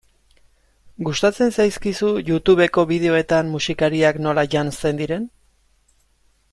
Gustatzen zaizkizu Youtubeko bideoetan musikariak nola janzten diren?